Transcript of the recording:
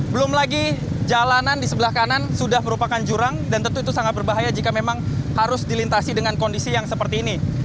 belum lagi jalanan di sebelah kanan sudah merupakan jurang dan tentu itu sangat berbahaya jika memang harus dilintasi dengan kondisi yang seperti ini